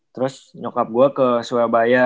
terus nyokap gue ke surabaya